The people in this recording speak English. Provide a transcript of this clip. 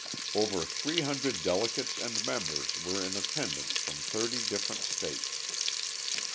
Over three hundred delegates and members were in attendance from thirty different states.